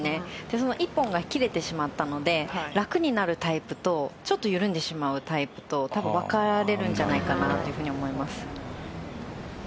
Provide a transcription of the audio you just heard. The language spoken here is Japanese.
その１本が切れてしまったので楽になるタイプとちょっと緩んでしまうタイプと分かれるんじゃないかと思います。